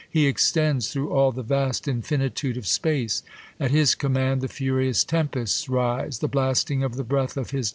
He extends ^ Through all the vast infinitude of space. . At his command the furious tempests rise, The blasting of the breath of his.